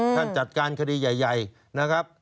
ท่านจัดการคดีใหญ่นะครับ